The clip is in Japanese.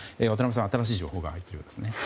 渡辺さん、新しい情報があるようですね。